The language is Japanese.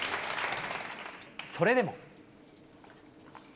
それでも。